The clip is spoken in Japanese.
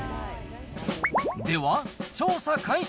では、調査開始。